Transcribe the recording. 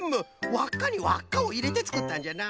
わっかにわっかをいれてつくったんじゃな。